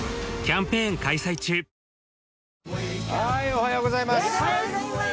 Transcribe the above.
おはようございます